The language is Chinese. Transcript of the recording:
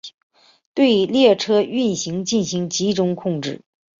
对列车运行进行集中控制。